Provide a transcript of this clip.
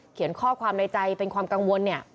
ข้อความในใจเป็นความกังวลเนี่ย